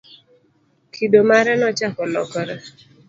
kido mare nochako lokore